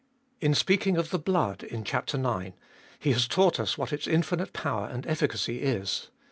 In speaking of the blood in chap. ix. he has taught us what its infinite power and efficacy is.